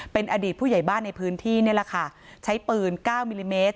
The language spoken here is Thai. เป็นอดีตผู้ใหญ่บ้านในพื้นที่นี่แหละค่ะใช้ปืน๙มิลลิเมตร